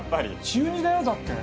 中２だよだって。